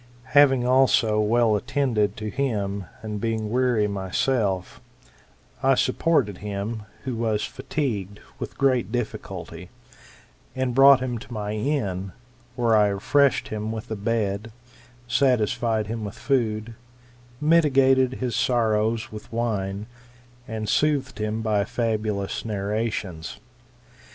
Having also well attended to him, and being weary myself, I supported him, who was fatigued, with great difficulty, and brought him to my inn ; where I refreshed him with a bed, satisfied him with food, mitigated his sorrows with wine, and soothed him by fabulous narrations.